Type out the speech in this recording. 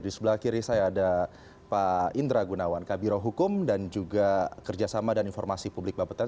di sebelah kiri saya ada pak indra gunawan kabiro hukum dan juga kerjasama dan informasi publik bapeten